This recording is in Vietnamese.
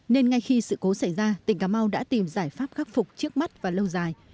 nên ngay khi sự cố xảy ra tỉnh cà mau đã tìm giải pháp khắc phục trước mắt và lâu dài